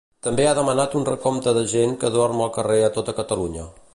També ha demanat un recompte de gent que dorm al carrer a tota Catalunya.